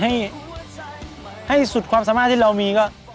ทำให้เต็มที่ที่สุดให้สุดความสามารถที่เรามีก็